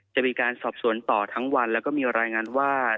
จะมีการสอบสวนต่อทั้งวันแล้วก็มีรายงานว่า